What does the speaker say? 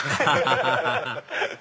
ハハハハ！